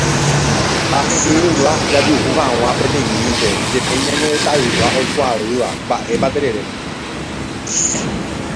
Hasynunga jajuhu hag̃ua peteĩmínte jepe ñane retãygua oikuaa'ỹva mba'épa terere.